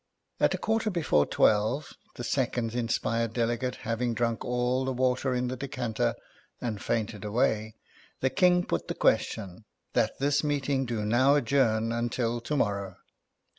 At a quarter before twelve the second inspired delegate having drunk all the water in the decanter, and fainted away, the King put the question, " That this Meeting do now adjourn until to morrow."